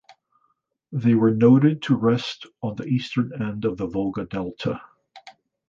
They were noted to rest on the eastern end of the Volga delta.